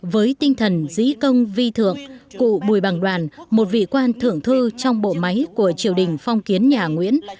với tinh thần dĩ công vi thượng cụ bùi bằng đoàn một vị quan thưởng thư trong bộ máy của triều đình phong kiến nhà nguyễn